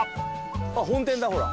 あっ本店だほら。